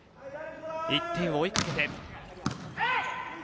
１点を追いかけて。